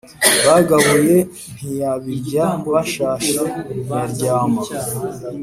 Bagabuye ntiyabiryaBashashe ntiyaryama